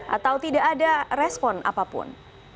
atau tidak ada respon apapun